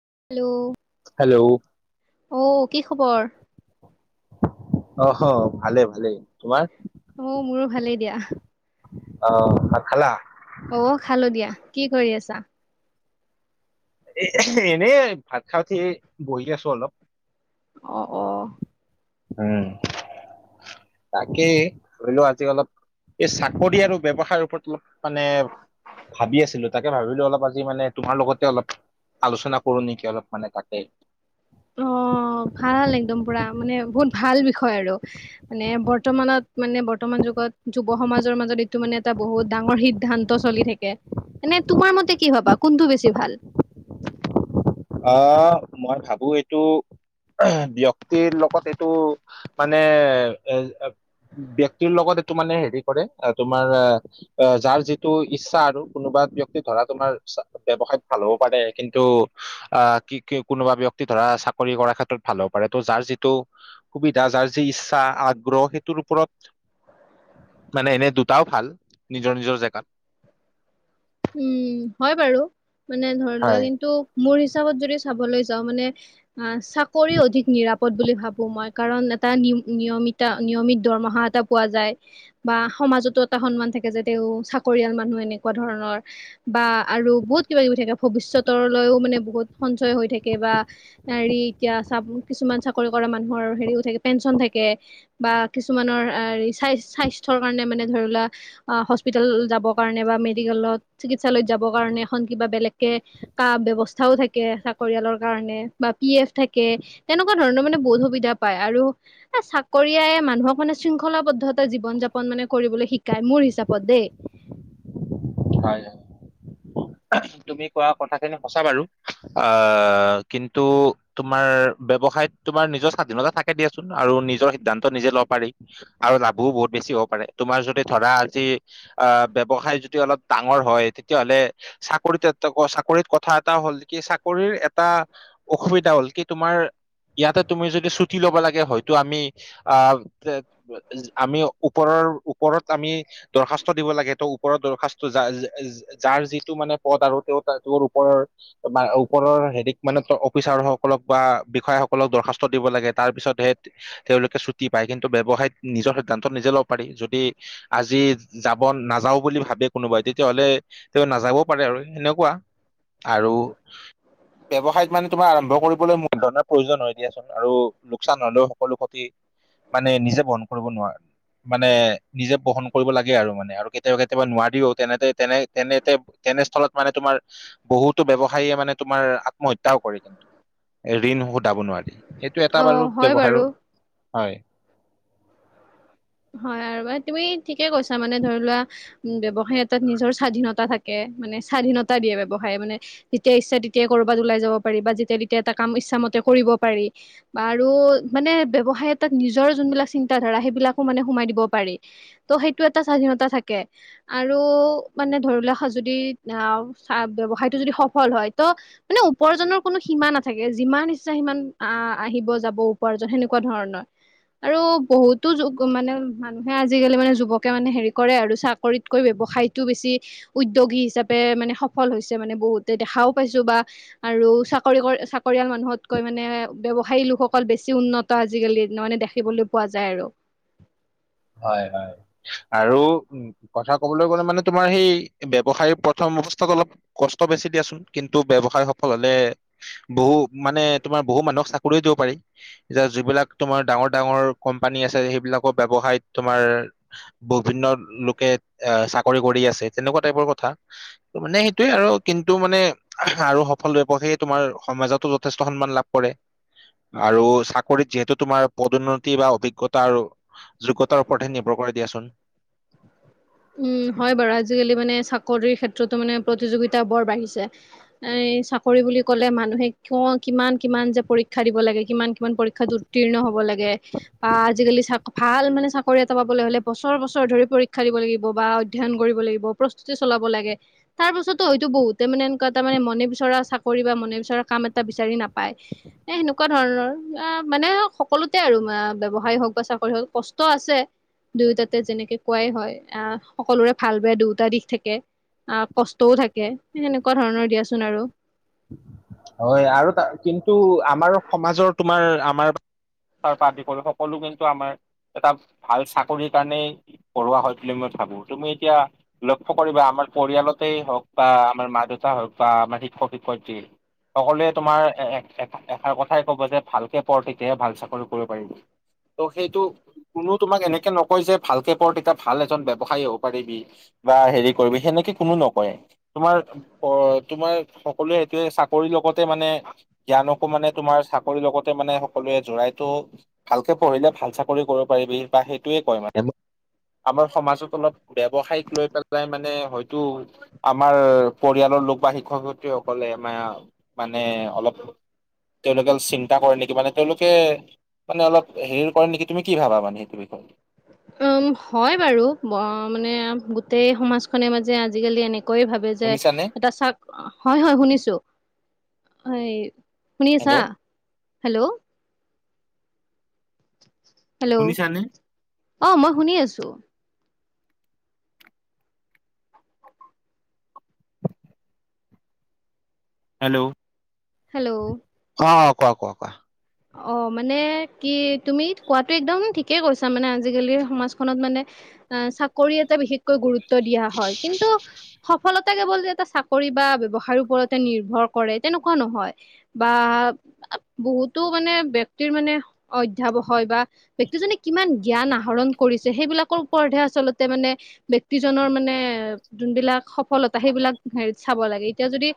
Hello hello অ কি খবৰ? অহ হ ভালেই ভালেই তোমাৰ? মো মোৰো ভালেই দিয়া অ ভাত খালা? অ' খালো দিয়া। কি কৰি আছা? এ এনেই ভাত খাওঁতে বহি আছো অলপ অ অ উম তাকে ধৰিলো আজি অলপ এই চাকৰি আৰু ব্যৱসায়ৰ ওপৰত অলপ মানে ভাবি আছিলো তাকে ভাবিলো অলপ আজি মানে তোমাৰ লগতে অলপ আলোচনা কৰো নেকি অলপ মানে তাকে অ অ ভাল একদম পোৰা মানে বহুত ভাল বিষয় আৰু মানে বৰ্তমানত মানে বৰ্তমানৰ যুগত যুৱ সমাজৰ মাজত এইটো মানে এটা বহুত ডাঙৰ সিদ্ধান্ত চলি থাকে এনে তোমাৰ মতে কি ভবা কোনটো বেছি ভাল অ মই ভাবো এইটো ব্যক্তিৰ লগত এইটো মানে এ ব্যক্তিৰ লগত এইটো মানে হেৰি কৰে তোমাৰ যাৰ যিটো ইচ্ছা আৰু কোনোবা ব্যক্তি ধৰা তোমাৰ ব্যৱসায়ত ভাল হ'ব পাৰে কিন্তু আহ কি কোনোবা ব্যক্তি ধৰা চাকৰি কৰাৰ ক্ষেত্ৰত ভাল হ'ব পাৰে ত' যাৰ যিটো সুবিধা তাৰ যি ইচ্ছা আগ্ৰহ সেইটোৰ ওপৰত মানে এনে দুটাও ভাল নিজৰ নিজৰ জেগাত উম হয় বাৰু মানে ধৰি লোৱা হয় কিন্তু মোৰ হিচাপ ত যদি চাবলৈ যাওঁ মানে অ চাকৰি অধিক নিৰাপদ বুলি ভাবো মই কাৰণ এটাম নিয়মিতা নিয়মিত দৰমহা এটা পোৱা যায় বা সমাজতো এটা সন্মান থাকে যে তেওঁ চাকৰিয়াল মানুহ এনেকুৱা ধৰণৰ বা আৰু বহুত কিবা কিবি থাকে ভৱিষ্যতৰলৈও মানে বহুত সঞ্চয় হৈ থাকে বা হেৰি এতিয়া চা কিছুমান চাকৰি কৰা মানুহৰ হেৰি থাকে পেঞ্চন থাকে বা কিছুমানৰ স্বাস্থৰ কাৰণে মানে ধৰিলোৱা হস্পিতেল যাবৰ কাৰণে বা মেডিকেলত চিকিৎসালয়ত যাব কাৰণে এখন কিবা বেলেগকে ক ব্যৱস্থাও থাকে চাকৰিয়ালৰ কাৰণে বা পি এফ থাকে তেনেকুৱা ধৰণৰ মানে বহুত সুবিধা পায় আৰু এ চাকৰিয়াই মানুহক মানে শৃংখলাবদ্ধতা জীৱন যাপন মানে কৰিবলৈ শিকাই মোৰ হিচাপত দেই [unintelligible] [unintelligible] তুমি কোৱা কথাখিনি সঁচা বাৰু অ কিন্তু তোমাৰ ব্যৱসায়ত তোমাৰ নিজৰ স্বাধীনতা থাকে দিয়াচোন আৰু নিজৰ সিদ্ধান্ত নিজে লব পাৰি আৰু লাভোও বহুত বেছি হ'ব পাৰে তোমাৰ যদি ধৰা আজি অ ব্যৱসায় যদি অলপ ডাঙৰ হয় তেতিয়াহলে চাকৰিত এটা চাকৰিত কথা এটা হ'ল কি চাকৰিৰ এটা অসুবিধা হ'ল কি তোমাৰ ইয়াতে তুমি যদি ছুটি ল'ব লাগে হয়তো আমি আহ আমি এ ওপৰৰ ওপৰত আমি দৰ্খাস্ত দিব লাগেটো ওপৰত দৰ্ষা ত য যাৰ যিটো মানে পথ আৰু তেওঁ তৰ ওপৰৰ ওপৰৰ হেৰিত মানে অফিচাৰ সকলক বা বিষয়াসকলক দৰ্খাস্ত দিব লাগে, তাৰ পিছতহে তেওঁলোকে ছুটি পায় কিন ব্যৱসায়ত নিজৰ সিদ্ধান্ত নিজে ল'ব পাৰি, যদি আজি যাব নাযাও বুলি ভাবি কোনোবাই তেতিয়াহলে তেওঁ নাযাব পাৰে আৰু এনেকুৱা আৰু ব্যৱসায়ত মানে তোমাৰ আৰম্ভ কৰিবলৈ মূলধৰণৰ প্ৰয়োজন হয় দিয়াচোন আৰু লোকচান হলেও সকলো ক্ষতি মানে নিজে বহন কৰিব নোৱাৰা মানে নিজে বহন কৰিব লাগে আৰু মানে আৰু কেতিয়াবা কেতিয়াবা নোৱাত তেনেনে তেনেতে তেনেস্থলত মানে তোমাৰ বহুতো ব্যৱসায়ে মানে তোমাৰ আত্ম হত্যাও কৰে, কিন্তু ঋণ সুধাব নোৱাৰি। সেইটো এটা অ বাৰু হয় ব্যৱসাৰো বাৰু হয়। হয় আৰু তুমি ঠিকে কৈছা মানে ধৰি লোৱা ব্যৱসায় এটাত নিজৰ স্বাধীনতা থাকে মানে স্বাধীনতা দিয়ে ব্যৱসায়ে মানে, যেতিয়া ইচ্ছা তেতিয়া কৰবাত ওলাই যাব পাৰিবা যেতিয়া তেতিয়া এটা কাম ইচ্ছা কৰিব পাৰি আৰু মানে ব্যৱসায় এটাত নিজৰ যোনবিলাক চিন্তা- ধাৰা সেইবিলাক হ মানে সোমায় দিব পাৰি, ত সেইটো এটা স্বাধীনতা থাকে, আৰু মানে ধৰি লোৱা সাজু দি আহ চা ব্যৱসায়টো যদি সফল হয়, ত মানে উপাৰ্জনৰ কোনো সীমা নাথাকে যিমান নিচা সিমান আহ আহিব যাব উপাৰ্জন সেনেকুৱা ধৰণৰ, আৰু বহুতো যো মানে মানুহে আজিকালি মানে যুৱকে মানে হেৰি কৰে আৰু চাকৰিতকৈ বৱসায়টো বেছি উদ্য দ্যোগী হিচাপে মানে সফল হৈছে মানে বহুতে দেখাও পাইছো বা আৰু চাকৰি কৰে চাকৰিয়াল মানু্ হতকৈ মানে ব্যৱসায়ী লোকসকল বেছি উন্নত আজিকালি মানে দেখিবলৈ পোৱা যায় আৰু। হয় হয় আৰু উম কথা কবলৈ গলে মানে তোমাৰ সেই ব্যৱসায় প্ৰথম অৱস্থা অলপ কষ্ট বেছি দিয়াচোন কিন্তু ব্যৱসায় সফল হলে বহু মানে তোমাৰ বহু মানুহক চাকৰি দ ব পাৰি, এতিয়া যিবিলাক তোমাৰ ডাঙৰ- ডাঙৰ কম্পানী আছে, সেইবিলাকক ব্যৱসায় তোমাৰ বিভিন্ন লোকে এ চাকৰি কৰি আছে, তেনেকুৱা টাইপৰ কথা। মানে সেইটোৱে আৰু কিন্তু মানে আৰু সফল হৈ প সে তোমাৰ সমাজতো যথেষ্ট সন্মান লাভ কৰে। আৰু চাকৰিত যিহেতু তোমাৰ পদোন্নতি বা অভিজ্ঞতাৰ যুগত নিৰ্ভৰ কৰে দিয়াচোন। উম হয় বাৰু আজিকালি মানে চাকৰিৰ ক্ষেত্ৰতো মানে প্ৰতিযোগিতা বৰ বাঢ়িছে। এই ই চাকৰি বুলি ক'লে মানুহে কিয় কিমান কিমান যে পৰীক্ষা দিব লাগে কিমান কিমান পৰীক্ষাত উত্তীৰ্ণ হ হব লাগে বা আজিকালি চা ভাল মানে চাকৰি এটা পাব হলে বছৰ বছৰ ধৰি পৰীক্ষা দিব লাগে ব বা অধ্যয়ন কৰিব লাগিব প্ৰস্তুতি চলাব লাগে, তাৰ পাছতো হয়তো বহুতে মানে এনুকুৱা তাৰমানে মনে ধৰা চাকৰি বা মনে বিচৰা কাম এটা বিচাৰি নাপায়, এ সেনেকুৱা ধৰণৰ আ মানে সকলো আচলতে আৰু আ ব্যৱসায় হওক বা চাকৰি হওক কষ্ট আছে, দুয়োটাতে যেনেকে কোৱাই হয়। আহ সকলোৰে ভাল বেয়া দুয়োটা দিশ থাকে। আহ কষ্টও থাকে, সেনেকুৱা ধৰণৰ দিয়াচোন আৰু। হয় আৰু ত কিন্তু আমাৰ সমাজৰ তোমাৰ আমাৰ তাৰ পৰা আদি কৰি সকলো কিন্তু আমাৰ এটা ভাল চাকৰিৰ কাৰণেই পঢ়োৱা হয় বুলি মই ভাবো, তুমি এতিয়া লক্ষ্য কৰিবা আমা আমাৰ পৰিয়ালতেই হওক বা আমাৰ মা- দেউতা হওক বা আমাৰ শিক্ষক - শিক্ষয়িত্ৰী সকলোৱে তোমাৰ এ এষাৰ কথাই কব যে ভালকে পঢ় থিকহে ভাল চাকৰি কৰিব পাৰিব। ত' সেইটো কোনো তোমাক এনেকে নকয় যে ভালকে পঢ় তেতিয়া ভাল এজন ব্যৱসায়ী হ'ব পাৰিবি। বা হেৰি কৰিবি সেনেকে কোনো নকয়ে, তোমাৰ তোমাৰ সকলোৱে সেইটোৱে চা কৰিৰ লগতে মানে জ্ঞানকো মানে তোমাৰ চাকৰিৰ লগতে মানে সকলোৱে জোৰাইতো ভালকে পঢ়িলে ভাল চাকৰি কৰিব পাৰিবি বা সেইটোৱে কয় মানে আমাৰ সমাজত অলপ ব্যৱসায়িক লৈ পেলাই মানে হয়তো আমাৰ পৰিয়ালৰ লোক বা শিক্ষক -শিক্ষয়িত্ৰীসকলে আমাৰ মানে অলপ তেওঁলোকে চিন্তা কৰে নেকি মানে তেওঁলোকে মানে অলপ হেৰি কৰে নেকি তুমি কি ভাবা মানে সেইটো বিষয়ে? [inaudible] [inaudible] উম হয় বাৰু মানে গোটেই সমাজখনে মাজে আজিকালি এনে কৈ ভাবে যে শুনিছানে এটা চাক হয় হয় শুনিছো এই শুনিয়ছা হেল্ল' হেল্ল' হেল্ল' শুনিছানে অ মই শুনি আছো হেল্ল' হেল্ল' অ কোৱা কোৱা কোৱা অ মানে কি তুমি কোৱাটো একদম ঠিকেই কৈছা মানে আজিকালি সমাজখনত মানে আহ চাকৰি এটা বিশেষকৈ গুৰুত্ব দিয়া হয় কিন্তু সফলত টা কেৱল যে এটা চাকৰি বা ব্যৱসায় ওপৰতে নিৰ্ভৰ কৰে তেনেকুৱা নহয় বা বহুত টো মানে ব্য়ক্তিৰ মানে অধ্য়াৱ হয় বা ব্ক্তিজনে কিমান জ্ঞান আহৰণ কৰিছে সেইব ক ওে আচলতে মানে ব্যক্তিজনৰ মানে যোনবিলাক সফলতা সেইবিলাক হ চাব লাগে এতিয়া যদি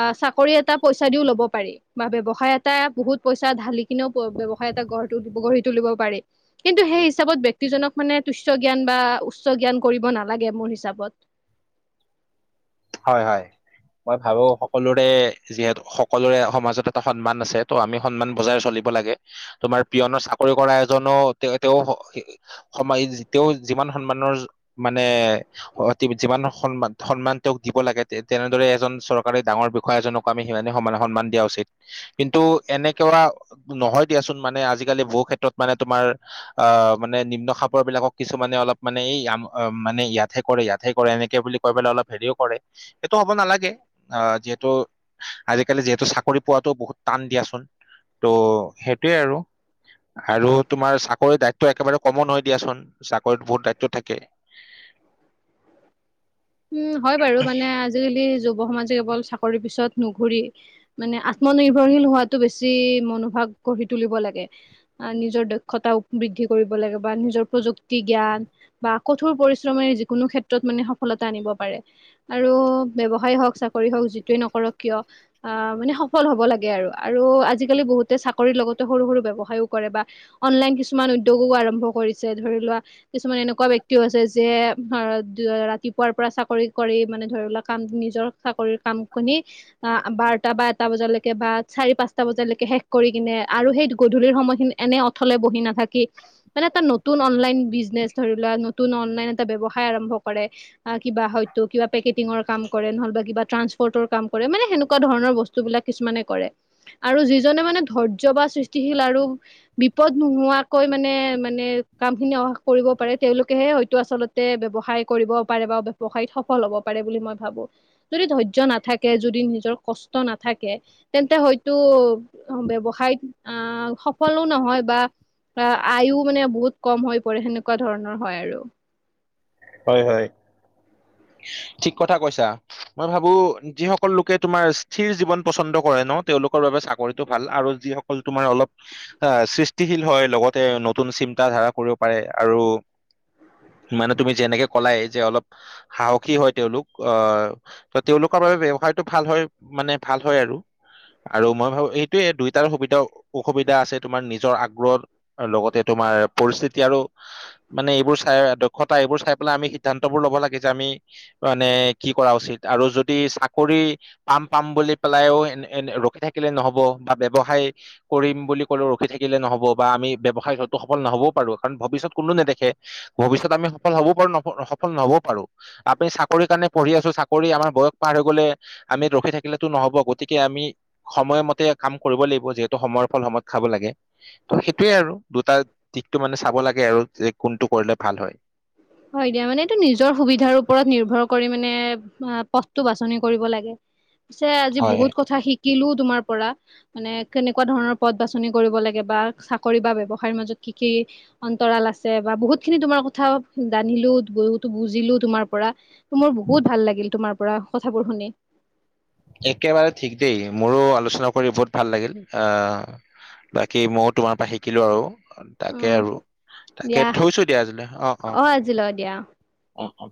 আ চাকৰি এটা পইচা দিও ল'ব পাৰি বা ব্যৱসায় এটা বহুত পইচা ঢালি কিনেও ব্যৱসায় এটা গঢ় দিব গঢ়ি তুলিব পি কিন্তু সেই হিচাপত ব্যক্তিজনক মানে তুচ জ্ঞান বা উচ্চ জ্ঞান কৰিব নালাগে মোৰ হিচাপত হয় হয় মই ভাবো সকলোৰে যিহেতু সকলোৰে সমাজত এটা সন্মান আছে ত' আমি সন্মান বজাই চলিম হবলগা তোমাৰ পিয়নৰ চাকৰি কৰা এজনী সমি [unintelligible] সন্মানৰ মানে অতি যিমান সন্মান সন্মান দিব লাগে তে তেনেদৰে এজন চৰকাৰী ডাঙৰ বিষয়া এজনক আমি সিমান সমান সন্মান দিয়া উচিত কিন্তু অ কেনে কৰা নয় দিয়ক চূণ মানে আজিকালি বহু ক্ষেত্ৰত মানে তোমাৰ মানে খাপৰ বিলাকক কিছুমানে অলপ মানে এই মানে ইয়াতে কৰে ইয়াতে কৰে এনেকে বুলি কৈ পেললে অলপ হেৰিও সেইটো হ'ব নালাগে অ যিহেতু আজিকালি যিহেতু চাকৰি পোৱাতো বহুত টান দিয়া। ত সেইটোয়ে আৰু আৰু তোমাৰ চাকৰি দিত একেবাৰে কমন হৈ দিয়াচোন চাকৰিত বহুত দায়িত্ব থাকে। উম হয় বাৰু মানে আজিকালি সমাজে কেৱল চাকৰিৰ পিছত নুঘুৰি মানে আত্মনিৰ্ভৰশীল হোৱাাতটো বেছি মনোভাৱ গঢ়ি তুলিব লাগে আহ নিজৰ দক্ষতা বৃদ্ধি কৰিব লাগে বা নিজৰ প্ৰযুক্তি জ্ঞান বা কঠোৰ পৰিশ্ৰমে যিকোনো ক্ষেত্ৰত মানে সফলতা আনিব পাৰে আৰু ব্যবসায় হওঁক চৰি হওক যিটোৱে নকৰক কিয় অ মানে সফল হব লাগে আৰু আজিকালি বহুতে চাকৰি লগতে সৰু সৰু ব্যয়ৱসায়ও কৰে বা অনলাইন কিছুমান উদ্যোগও আৰম্ভ কৰিছে ধৰি লোৱা কিছুমান এনেকুৱা ব্যক্তিও আছে যে ৰাতিপুৱাৰ পৰা চাকৰি কৰি মানে ধৰিলা কাম চাকৰি পাম শুনি বাৰ টাৰ পৰা এটা লৈ বা চাৰি পাঁচটা লেকে শেষ কৰি [unintelligible] কিনে আৰু সেই গধূলি সময়খিনি এনে অথলে বহি নাথাকি মানে এটা নতুন অনলাইন বিজনেচ ধৰি লোৱা নতুন অনলাইন এটা ব্যৱসায় আৰম্ভ কৰে, কিবা হয়টো কিবা পেকেটিং ৰ কাম কৰে নহ কিবা ট্ৰসপৰ্ত ৰ কাম কৰে মানে সেনেকুৱা ধৰণৰ বস্তু বিলাক কিছুমানে কৰে আৰু যিজনে মানে ধৰ ধ্য পা সৃষ্টিশীল আৰু বিপদ নোহোৱাকৈ মানে মানে কামখিনি অহা কৰিব পাৰে তেওঁলোকেহে হয়তো আচলতে ব্যৱসায় কৰিব পাৰে বা ব্যৱসায়ত সফল হ'ব পাৰে বুলি মই ভাবোঁ। যদি ধৈৰ্য্য নাথাকে যদি নিজৰ কষ্ট নাথাকে তেন্তে হয়তো ব্য়ৱসায়ত অ সফলো নহয় বা আয়ও মানে বহুত কম হৈ পৰে সেনেকা এনেকুৱা ধৰণৰ হয় আৰু হয় হয়। উ [unintelligible] ঠিক কথা কৈছা মই ভাবো যিসকল লোকে তোমাৰ স্থিৰ জীৱন পছন্দ কৰে ন তেওঁলোক চৰিটো ভাল আৰু যিসকল তমাৰ অল সৃষ্টি হয় লগ নতু চি ধ কৰিব পাৰে আৰু মে তি যেনেকে কলাই যে অলপ সাহসী হয় তেওঁলোক অ ত তেওঁলোকৰ বাবে ব্যবসায়টো ভাল ভাল হয় মানে ভাল হয় আৰু আৰু মই ভাবো এইটোয়ে দুইটাৰ সুবিধা অসুবিধা আছে তোমাৰ নিজৰ আগ্ৰহৰ লগতে তোমাৰ তোমাৰ পৰিস্থিতি আৰু মানে এইবোৰ চাই সদায় এইবোৰ চাই পেলাই আমি সিদ্ধান্ত বোৰ ল'ব লাগে যে আমি মানে কি কৰা উচিত আৰু যদি চাকৰি যি পাম পাম বুলি পেলাইও এ ৰখি থাকিলে নহব বা ব্যৱসায় কৰিম বুলি ক ৰখি থাকিলে নহব বা আমি ব্যৱসায় কতো সফল নহব পাৰো কাৰণ ভৱিষ্যত কোনো নেদেখে ভৱিষ্যত আমি সফল হ'ব পাৰো ন সফল হব পাৰো আমি চাকৰি কাৰণে পঢ়ি আছো চাকৰি আমাৰ বয়স পাৰ হৈ গ'লে আমি ৰখি থাকিলেতো নহব গোট গতিকে আমি সময়মতে কাম কৰিব লাগিব যিহেতু সময়ৰ ফল সময়ত খাব লাগে ত সেইটোয়ে আৰু দুটা দিশটো মানে চাব লাগে আৰু যে কোনটো কৰিলে ভাল হয় হয় দিয়া মানে এইটো নিজৰ সুবিধাৰ ওপৰত নিৰ্ভৰ কৰি মানে পথটো বাছনি কৰিব লাগে পিছে আজি হয় বহুত কথা শিক শিকিলো তোমাৰ পৰা মানে কেনেকুৱা ধৰণৰ পদ বাছনি কৰিব লাগে বা চাকৰি বা ব্যৱসায়ৰ মাজত কি কি অন্তৰাল আছে বা বহুত খিনি তোমাৰ কথা জানিলো বহুতো বুজিলো তোমাৰ পৰা মোৰ বহুত ভাল লাগিল তোমাৰ পৰা কথাবোৰ শুনি [inaudible] [inaudible] একেবাৰে ঠিক দেই মোৰো আলোচনা কৰি বহুত ভাল লাগিল আহ বাকী মইো তোমাৰ পৰা শিকিলো আৰু তাকে উম আৰু তাকে দিয়া থৈছো দিয়া আজিলৈ অ অ আজিলৈ দিয়া অ অ